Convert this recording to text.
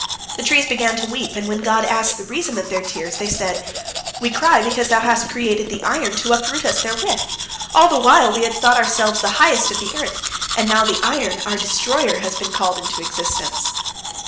The trees began to weep, and when God asked the reason of their tears, they said: "We cry because Thou hast created the iron to uproot us therewith. All the while we had thought ourselves the highest of the earth, and now the iron, our destroyer, has been called into existence."